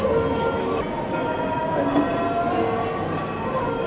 สวัสดีครับ